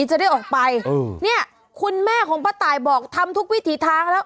จะได้ออกไปเออเนี่ยคุณแม่ของป้าตายบอกทำทุกวิถีทางแล้ว